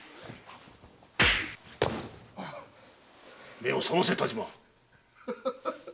目を覚ませ但馬！